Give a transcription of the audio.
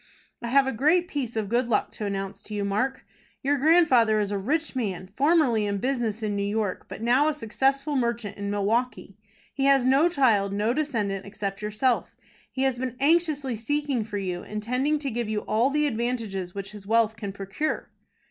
"I have a great piece of good luck to announce to you, Mark. Your grandfather is a rich man, formerly in business in New York, but now a successful merchant in Milwaukie. He has no child, no descendant except yourself. He has been anxiously seeking for you, intending to give you all the advantages which his wealth can procure."